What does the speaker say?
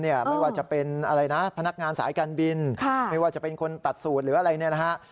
ไม่ว่าจะเป็นพนักงานสายการบินไม่ว่าจะเป็นคนตัดสูตรหรืออะไรแบบนี้